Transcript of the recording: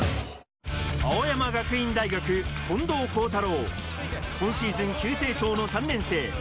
青山学院大学・近藤幸太郎、今シーズン急成長の３年生。